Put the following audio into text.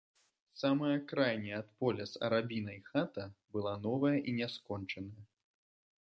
Самая крайняя ад поля з арабінай хата была новая і няскончаная.